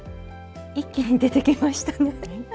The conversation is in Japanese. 一気に出てきましたね。